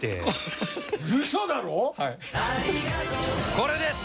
これです！